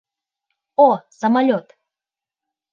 О, самолет!